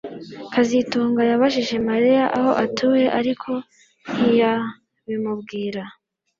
kazitunga yabajije Mariya aho atuye ariko ntiyabimubwira